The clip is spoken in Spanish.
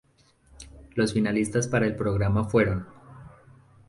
Los finalistas para el programa fueron;